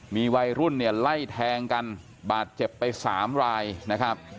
มีวัยรุ่นไล่แทงกันบาดเจ็บไป๓รายนะครับ